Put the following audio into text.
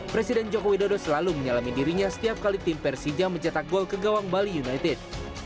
presiden jokowi dodo selalu menyalami dirinya setiap kali tim persija mencetak gol ke gawang bali united